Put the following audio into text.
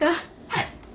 はい。